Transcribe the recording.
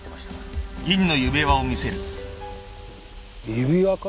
指輪か？